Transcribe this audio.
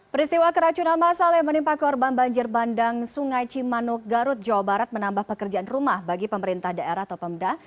peristiwa keracunan masal yang menimpa korban banjir bandang sungai cimanuk garut jawa barat menambah pekerjaan rumah bagi pemerintah daerah atau pemda